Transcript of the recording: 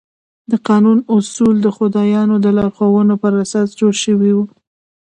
د قانون اصول د خدایانو د لارښوونو پر اساس جوړ شوي وو.